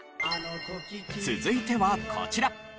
続いてはこちら。